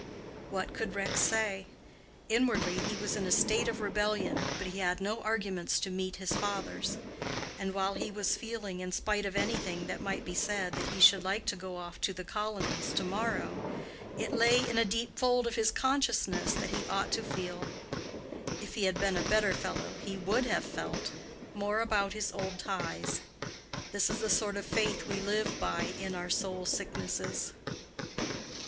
What could Rex say? Inwardly he was in a state of rebellion, but he had no arguments to meet his father's; and while he was feeling, in spite of any thing that might be said, that he should like to go off to "the colonies" to morrow, it lay in a deep fold of his consciousness that he ought to feel—if he had been a better fellow he would have felt—more about his old ties. This is the sort of faith we live by in our soul sicknesses.